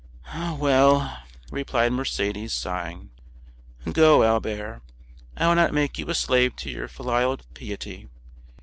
"Well," replied Mercédès, sighing, "go, Albert; I will not make you a slave to your filial piety."